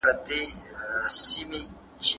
چا چي د بل توهين وکړ، هغه به پښيمان سي.